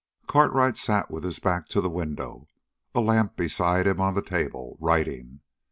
Cartwright sat with his back to the window, a lamp beside him on the table, writing.